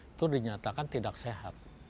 itu dinyatakan tidak sehat